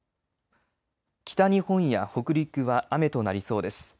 北日本や北陸は雨となりそうです。